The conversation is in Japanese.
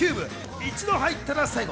一度入ったら、最後』。